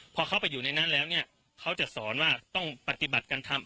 พอเข้าไปอยู่ในนั้นแล้วเนี่ยเขาจะสอนว่าต้องปฏิบัติการทำ